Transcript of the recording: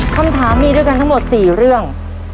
คำถามมีด้วยกันทั้งหมด๔เรื่อง